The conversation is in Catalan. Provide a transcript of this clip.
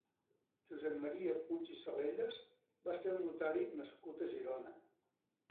Josep Maria Puig i Salellas va ser un notari nascut a Girona.